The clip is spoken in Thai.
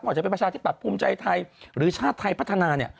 อาจจะเป็นประชาที่ปรับภูมิใจไทยหรือชาติไทยพัฒนา